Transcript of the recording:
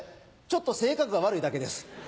ちょっと性格が悪いだけです。